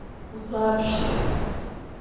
Bu tuhaf işte.